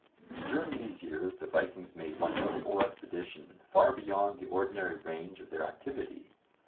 During these years the Vikings made one notable expedition far beyond the ordinary range of their activity.